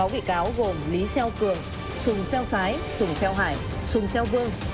sáu bị cáo gồm lý xeo cường xùng xeo xái xùng xeo hải xùng xeo vương